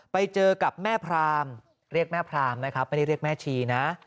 ไปเจอกับแม่พรามเรียกแม่พรามนะครับไม่ได้เรียกแม่ชีนะ